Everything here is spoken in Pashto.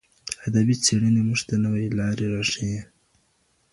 ادبي څېړني موږ ته نوې لارې ښيي.